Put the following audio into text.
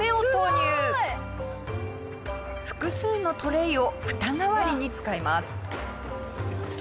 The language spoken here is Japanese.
複数のトレーをフタ代わりに使います。